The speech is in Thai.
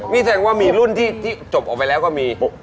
นี่แสดงว่ามีรุ่นที่จบออกไปแล้วก็มี